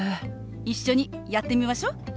一緒にやってみましょう。